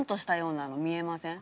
見えません？